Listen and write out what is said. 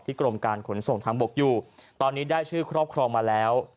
กรมการขนส่งทางบกอยู่ตอนนี้ได้ชื่อครอบครองมาแล้ว